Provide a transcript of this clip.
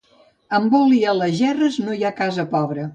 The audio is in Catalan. Amb oli a les gerres no hi ha casa pobra.